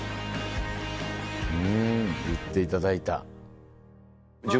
ん言っていただいた。